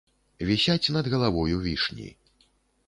Вісяць над галавою вішні.